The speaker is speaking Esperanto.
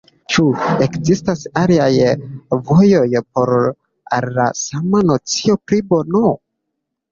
Ĉu ekzistas aliaj vojoj por al la sama nocio pri bono?